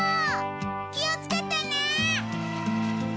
気をつけてね！